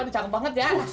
caget banget ya